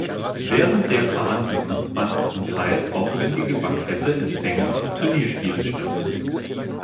Während der Verhandlungen fanden zum Teil aufwendige Bankette, Empfänge und Turnierspiele statt.